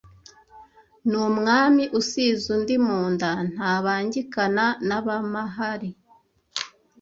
Ni Umwami usize undi mu nda ntabangikana n’ab’amahari